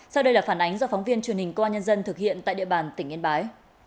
sau đây là phản ánh do phóng viên truyền hình công an nhân dân thực hiện tại địa bàn tỉnh yên bái